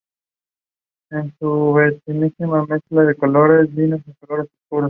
En su vestimenta mezclan colores vivos con colores oscuros.